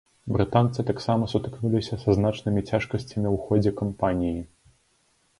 Брытанцы таксама сутыкнуліся са значнымі цяжкасцямі ў ходзе кампаніі.